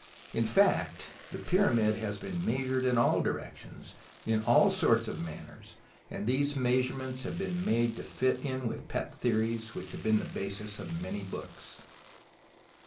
In fact, the Pyramid has been measured in all directions, in all sorts of manners, and these measurements have been made to fit in with pet theories which have been the basis of many books.